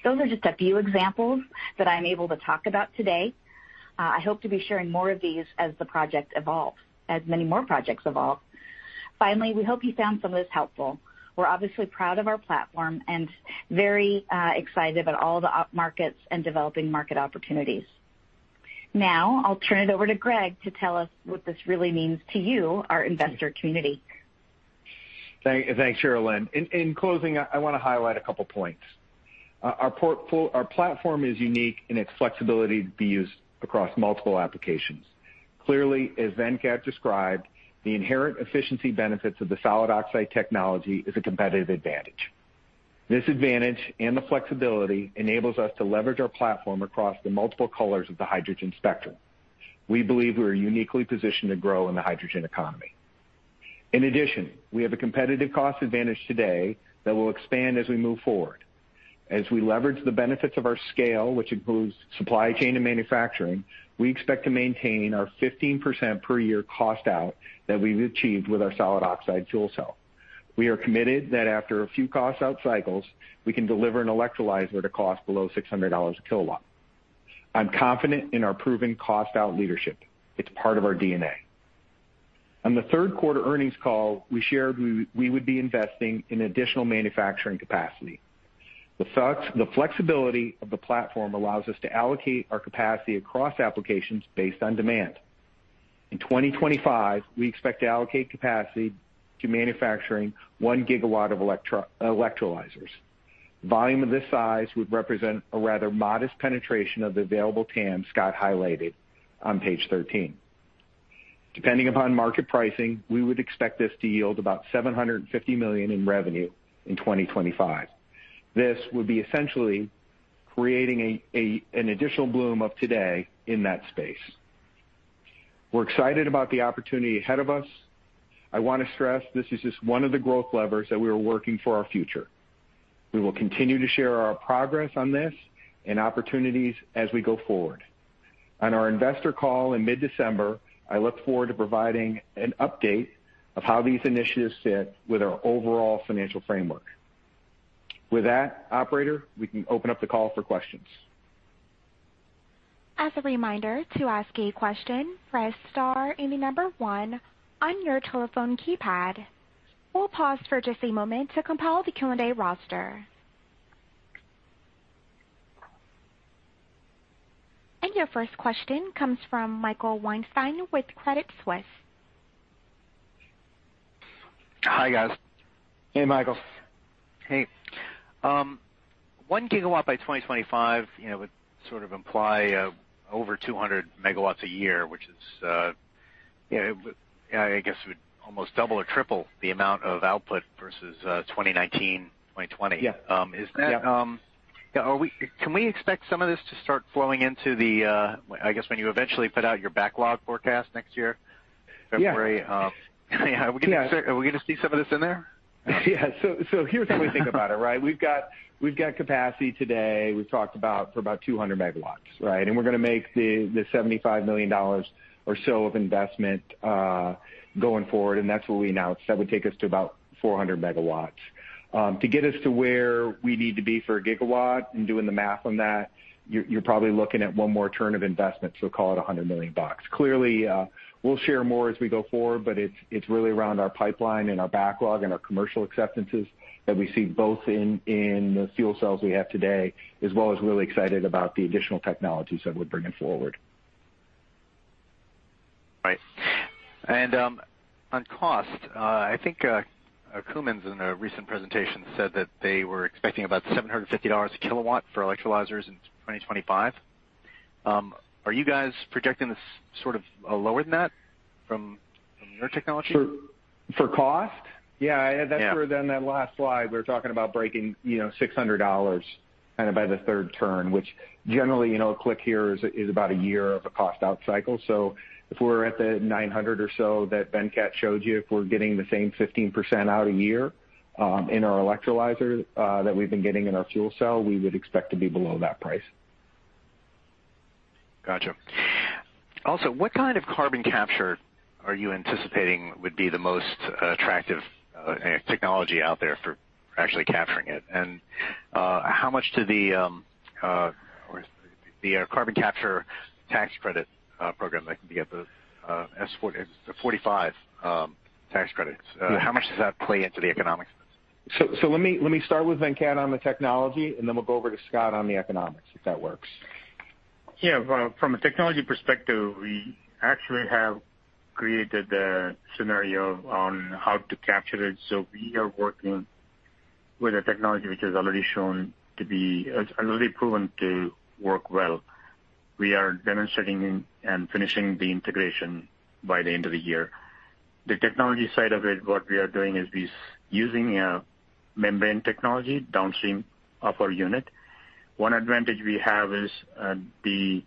Those are just a few examples that I'm able to talk about today. I hope to be sharing more of these as the project evolves, as many more projects evolve. Finally, we hope you found some of this helpful. We're obviously proud of our platform and very excited about all the markets and developing market opportunities. Now, I'll turn it over to Greg to tell us what this really means to you, our investor community. Thanks, Sharelynn. In closing, I want to highlight a couple of points. Our platform is unique in its flexibility to be used across multiple applications. Clearly, as Venkat described, the inherent efficiency benefits of the solid oxide technology is a competitive advantage. This advantage and the flexibility enables us to leverage our platform across the multiple colors of the hydrogen spectrum. We believe we are uniquely positioned to grow in the hydrogen economy. In addition, we have a competitive cost advantage today that will expand as we move forward. As we leverage the benefits of our scale, which includes supply chain and manufacturing, we expect to maintain our 15% per year cost out that we've achieved with our solid oxide fuel cell. We are committed that after a few cost out cycles, we can deliver an electrolyzer at a cost below $600 a kilowatt. I'm confident in our proven cost out leadership. It's part of our DNA. On the third quarter earnings call, we shared we would be investing in additional manufacturing capacity. The flexibility of the platform allows us to allocate our capacity across applications based on demand. In 2025, we expect to allocate capacity to manufacturing one gigawatt of electrolyzers. Volume of this size would represent a rather modest penetration of the available TAM Scott highlighted on page 13. Depending upon market pricing, we would expect this to yield about $750 million in revenue in 2025. This would be essentially creating an additional Bloom of today in that space. We're excited about the opportunity ahead of us. I want to stress this is just one of the growth levers that we are working for our future. We will continue to share our progress on this and opportunities as we go forward. On our investor call in mid-December, I look forward to providing an update of how these initiatives fit with our overall financial framework. With that, operator, we can open up the call for questions. As a reminder, to ask a question, press star in the number one on your telephone keypad. We'll pause for just a moment to compile the Q&A roster. And your first question comes from Michael Weinstein with Credit Suisse. Hi, guys. Hey, Michael. Hey. One gigawatt by 2025 would sort of imply over 200 megawatts a year, which is, I guess, it would almost double or triple the amount of output versus 2019, 2020. Yeah. Is that? Yeah. Can we expect some of this to start flowing into the, I guess, when you eventually put out your backlog forecast next year, February? Yeah. Yeah. Are we going to see some of this in there? Yeah. So here's how we think about it, right? We've got capacity today. We've talked about for about 200 megawatts, right? And we're going to make the $75 million or so of investment going forward. And that's what we announced. That would take us to about 400 megawatts. To get us to where we need to be for a gigawatt and doing the math on that, you're probably looking at one more turn of investment, so call it $100 million. Clearly, we'll share more as we go forward, but it's really around our pipeline and our backlog and our commercial acceptances that we see both in the fuel cells we have today, as well as really excited about the additional technologies that we're bringing forward. Right. And on cost, I think Cummins, in a recent presentation, said that they were expecting about $750 a kilowatt for electrolyzers in 2025. Are you guys projecting this sort of lower than that from your technology? For cost? Yeah. Yeah. That's where then that last slide, we're talking about breaking $600 kind of by the third turn, which generally, a click here is about a year of a cost out cycle. So if we're at the $900 or so that Venkat showed you, if we're getting the same 15% out a year in our electrolyzer that we've been getting in our fuel cell, we would expect to be below that price. Gotcha. Also, what kind of carbon capture are you anticipating would be the most attractive technology out there for actually capturing it? And how much do the carbon capture tax credit program, the 45Q tax credits, how much does that play into the economics? So let me start with Venkat on the technology, and then we'll go over to Scott on the economics, if that works? Yeah. From a technology perspective, we actually have created the scenario on how to capture it. So we are working with a technology which has already shown to be proven to work well. We are demonstrating and finishing the integration by the end of the year. The technology side of it, what we are doing is we're using a membrane technology downstream of our unit. One advantage we have is the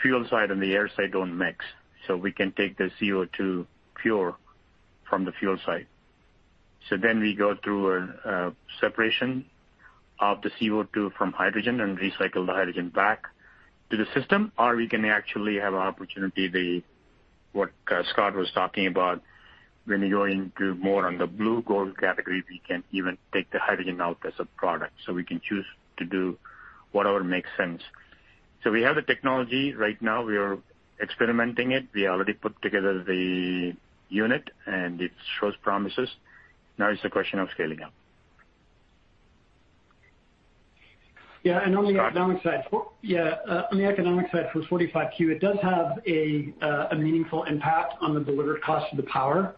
fuel side and the air side don't mix. So we can take the pure CO2 from the fuel side. So then we go through a separation of the CO2 from hydrogen and recycle the hydrogen back to the system, or we can actually have an opportunity to do what Scott was talking about. When you go into more on the blue-gold category, we can even take the hydrogen out as a product. We can choose to do whatever makes sense. We have the technology right now. We are experimenting it. We already put together the unit, and it shows promises. Now it's a question of scaling up. Yeah. And on the economic side. Scott. Yeah. On the economic side for 45Q, it does have a meaningful impact on the delivered cost of the power.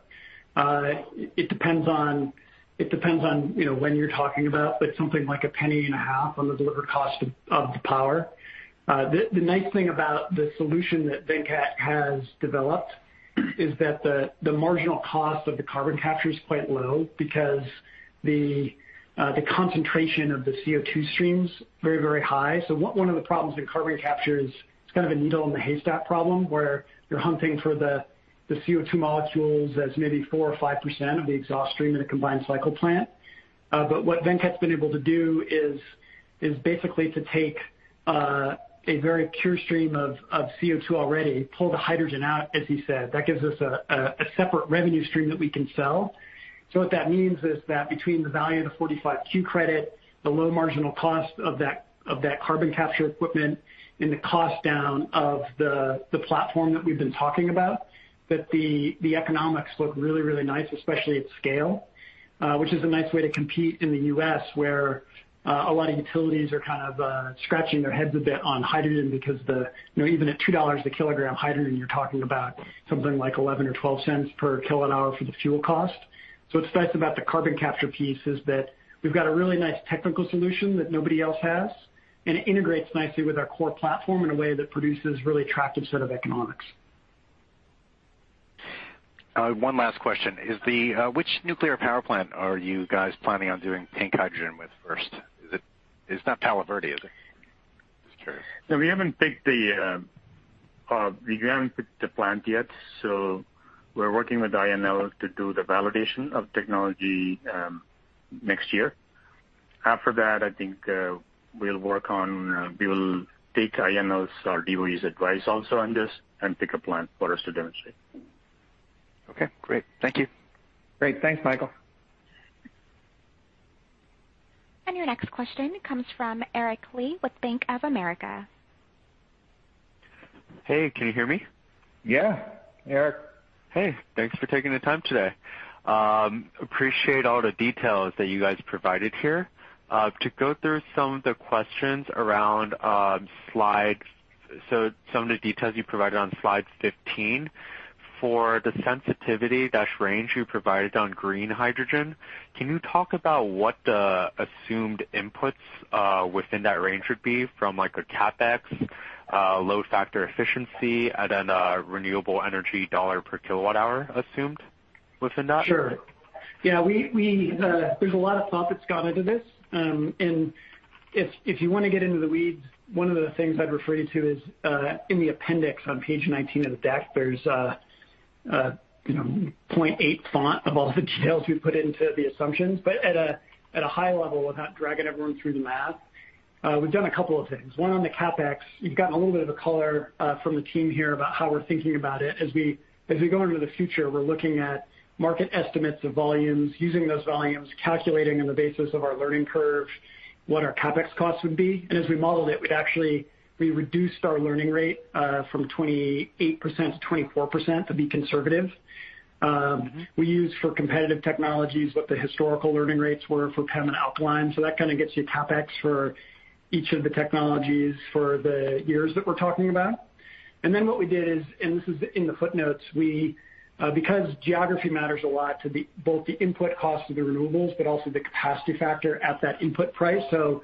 It depends on when you're talking about, but something like $0.015 on the delivered cost of the power. The nice thing about the solution that Venkat has developed is that the marginal cost of the carbon capture is quite low because the concentration of the CO2 stream is very, very high. So one of the problems in carbon capture is it's kind of a needle in the haystack problem where you're hunting for the CO2 molecules as maybe 4% or 5% of the exhaust stream in a combined cycle plant. But what Venkat's been able to do is basically to take a very pure stream of CO2 already, pull the hydrogen out, as he said. That gives us a separate revenue stream that we can sell. So what that means is that between the value of the 45Q credit, the low marginal cost of that carbon capture equipment, and the cost down of the platform that we've been talking about, that the economics look really, really nice, especially at scale, which is a nice way to compete in the U.S. where a lot of utilities are kind of scratching their heads a bit on hydrogen because even at $2 a kilogram, hydrogen you're talking about something like $0.11 or $0.12 per kilowatt-hour for the fuel cost. So what's nice about the carbon capture piece is that we've got a really nice technical solution that nobody else has, and it integrates nicely with our core platform in a way that produces a really attractive set of economics. One last question. Which nuclear power plant are you guys planning on doing pink hydrogen with first? It's not Palo Verde, is it? Just curious. No, we haven't picked the plant yet. So we're working with INL to do the validation of technology next year. After that, I think we will take INL's or DOE's advice also on this and pick a plant for us to demonstrate. Okay. Great. Thank you. Great. Thanks, Michael. Your next question comes from Eric Lee with Bank of America. Hey, can you hear me? Yeah. Hey, Eric. Hey. Thanks for taking the time today. Appreciate all the details that you guys provided here. To go through some of the questions around the slide, so some of the details you provided on slide 15 for the sensitivity-ish range you provided on green hydrogen, can you talk about what the assumed inputs within that range would be from a CapEx, load factor efficiency, and then renewable energy $ per kilowatt-hour assumed within that? Sure. Yeah. There's a lot of thought that's gone into this. And if you want to get into the weeds, one of the things I'd refer you to is in the appendix on page 19 of the deck, there's 0.8 font of all the details we put into the assumptions. But at a high level, without dragging everyone through the math, we've done a couple of things. One on the CapEx, you've gotten a little bit of a color from the team here about how we're thinking about it. As we go into the future, we're looking at market estimates of volumes, using those volumes, calculating on the basis of our learning curve what our CapEx cost would be. And as we modeled it, we actually reduced our learning rate from 28% to 24% to be conservative. We used for competitive technologies what the historical learning rates were for PEM and alkaline. So that kind of gets you CapEx for each of the technologies for the years that we're talking about. And then what we did is, and this is in the footnotes, because geography matters a lot to both the input cost of the renewables but also the capacity factor at that input price. So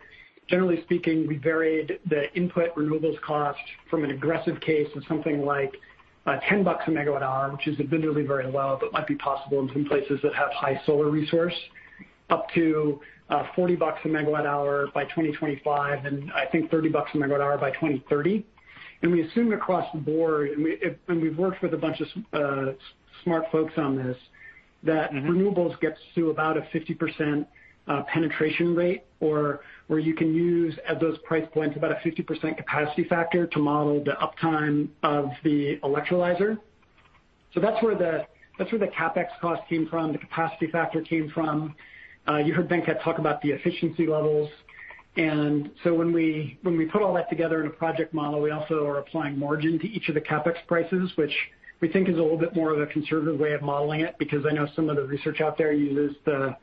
generally speaking, we varied the input renewables cost from an aggressive case of something like $10 a megawatt-hour, which is admittedly very low, but might be possible in some places that have high solar resource, up to $40 a megawatt-hour by 2025, and I think $30 a megawatt-hour by 2030. And we assume across the board, and we've worked with a bunch of smart folks on this, that renewables get to about a 50% penetration rate or where you can use at those price points about a 50% capacity factor to model the uptime of the electrolyzer. So that's where the CapEx cost came from, the capacity factor came from. You heard Venkat talk about the efficiency levels. And so when we put all that together in a project model, we also are applying margin to each of the CapEx prices, which we think is a little bit more of a conservative way of modeling it because I know some of the research out there uses the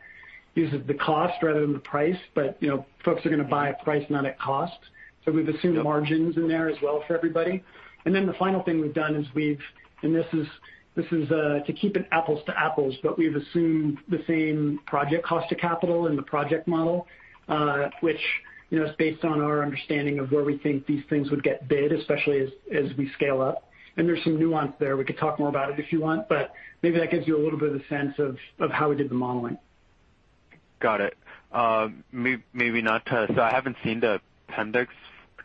cost rather than the price, but folks are going to buy at price, not at cost. So we've assumed margins in there as well for everybody. And then the final thing we've done is, and this is to keep it apples to apples, but we've assumed the same project cost of capital in the project model, which is based on our understanding of where we think these things would get bid, especially as we scale up. And there's some nuance there. We could talk more about it if you want, but maybe that gives you a little bit of a sense of how we did the modeling. Got it. Maybe not too, so I haven't seen the appendix.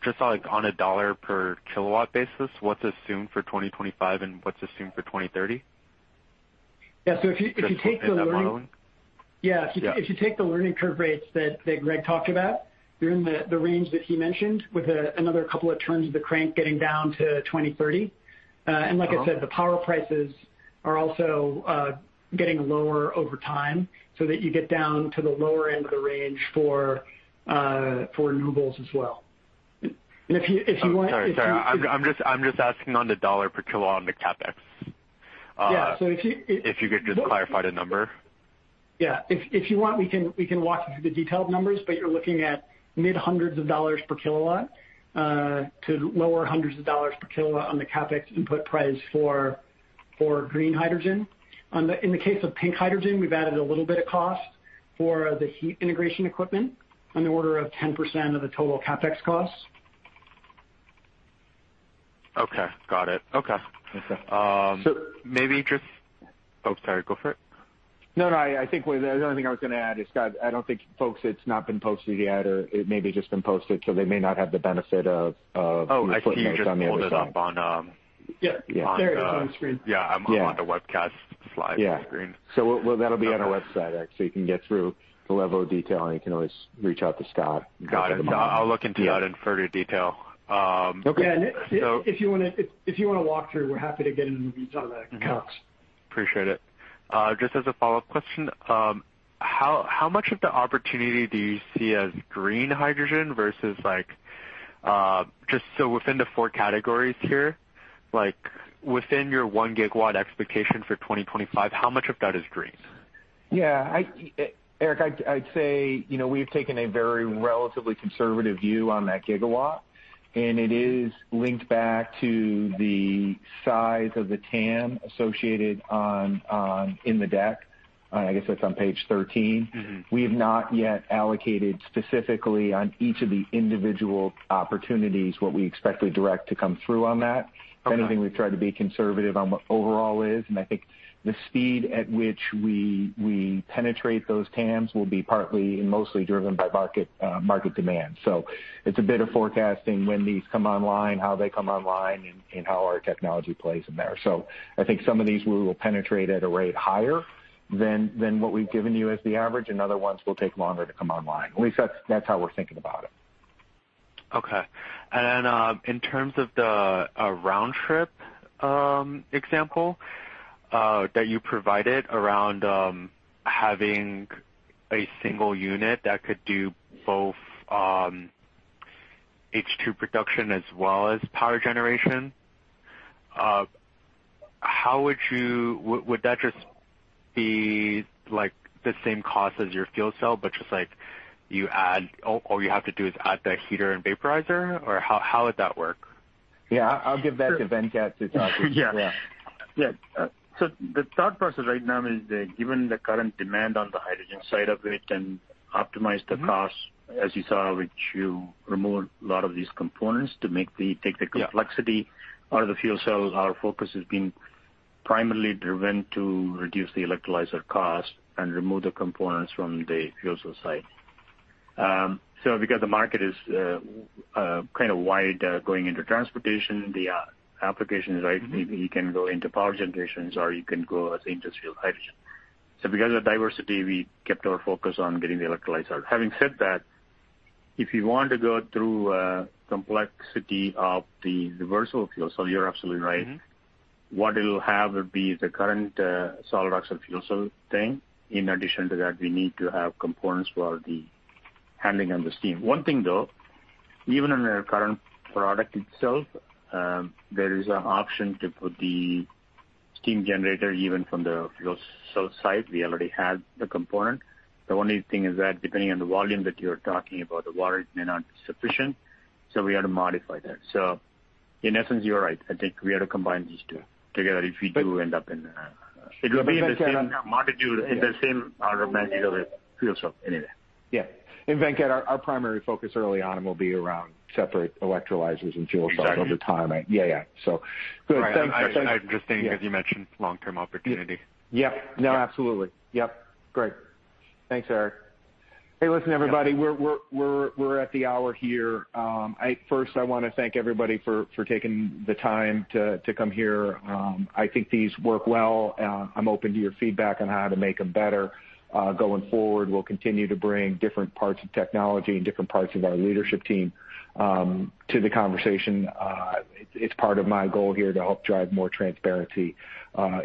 Just on a dollar per kilowatt basis, what's assumed for 2025 and what's assumed for 2030? Yeah. So if you take the learning. Is that what we're modeling? Yeah. If you take the learning curve rates that Greg talked about, they're in the range that he mentioned with another couple of turns of the crank getting down to 2030. And like I said, the power prices are also getting lower over time so that you get down to the lower end of the range for renewables as well. And if you want. I'm just asking on the dollar per kilowatt on the CapEx. Yeah. So if you. If you could just clarify the number. Yeah. If you want, we can walk you through the detailed numbers, but you're looking at mid-hundreds of dollars per kilowatt to lower hundreds of dollars per kilowatt on the CapEx input price for green hydrogen. In the case of pink hydrogen, we've added a little bit of cost for the heat integration equipment on the order of 10% of the total CapEx cost. Okay. Got it. Okay. So maybe just, oh, sorry, go for it. No, no. I think the only thing I was going to add is, Scott, I don't think, folks, it's not been posted yet or it may be just been posted, so they may not have the benefit of. Oh, I see you just on the other side. I think it's loaded up on. Yeah. Yeah. It's there on the screen. Yeah. I'm on the webcast slide screen. Yeah. So that'll be on our website, actually. You can get through the level of detail, and you can always reach out to Scott. Got it. I'll look into that in further detail. Yeah, and if you want to walk through, we're happy to get into the detail of that cost. Appreciate it. Just as a follow-up question, how much of the opportunity do you see as green hydrogen versus just so within the four categories here, within your one-gigawatt expectation for 2025, how much of that is green? Yeah. Eric, I'd say we've taken a very relatively conservative view on that gigawatt, and it is linked back to the size of the TAM associated in the deck. I guess that's on page 13. We have not yet allocated specifically on each of the individual opportunities what we expect to direct to come through on that. Anything we've tried to be conservative on what overall is, and I think the speed at which we penetrate those TAMs will be partly and mostly driven by market demand. So it's a bit of forecasting when these come online, how they come online, and how our technology plays in there. So I think some of these we will penetrate at a rate higher than what we've given you as the average. And other ones will take longer to come online. At least that's how we're thinking about it. Okay. And then in terms of the round-trip example that you provided around having a single unit that could do both H2 production as well as power generation, how would that just be the same cost as your fuel cell, but just like you add all you have to do is add the heater and vaporizer? Or how would that work? Yeah. I'll give that to Venkat to talk with you. Yeah. Yeah. So the thought process right now is that given the current demand on the hydrogen side of it and optimize the cost, as you saw, which you remove a lot of these components to take the complexity out of the fuel cell, our focus has been primarily driven to reduce the electrolyzer cost and remove the components from the fuel cell side. So because the market is kind of wide going into transportation, the application is right. You can go into power generation or you can go as industrial hydrogen. So because of the diversity, we kept our focus on getting the electrolyzer out. Having said that, if you want to go through the complexity of the reversal of fuel cell, you're absolutely right. What it'll have will be the current solid oxide fuel cell thing. In addition to that, we need to have components for the handling of the steam. One thing, though, even in our current product itself, there is an option to put the steam generator even from the fuel cell side. We already have the component. The only thing is that depending on the volume that you're talking about, the water may not be sufficient. So we had to modify that. So in essence, you're right. I think we had to combine these two together if we do end up in. It will be in the same magnitude in the same architecture of a fuel cell anyway. Yeah. And, Venkat, our primary focus early on will be around separate electrolyzers and fuel cells over time. Right. Yeah, yeah. So good. Right. I understand because you mentioned long-term opportunity. Yep. No, absolutely. Yep. Great. Thanks, Eric. Hey, listen, everybody, we're at the hour here. First, I want to thank everybody for taking the time to come here. I think these work well. I'm open to your feedback on how to make them better. Going forward, we'll continue to bring different parts of technology and different parts of our leadership team to the conversation. It's part of my goal here to help drive more transparency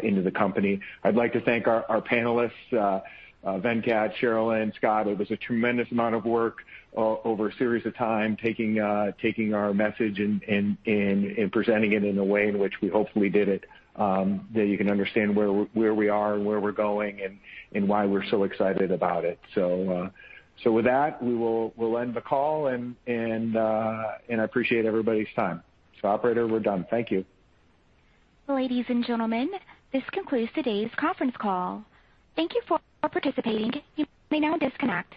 into the company. I'd like to thank our panelists, Venkat, Sharelynn, Scott. It was a tremendous amount of work over a series of time taking our message and presenting it in a way in which we hopefully did it that you can understand where we are and where we're going and why we're so excited about it. So with that, we'll end the call, and I appreciate everybody's time. So operator, we're done. Thank you. Ladies and gentlemen, this concludes today's conference call. Thank you for participating. You may now disconnect.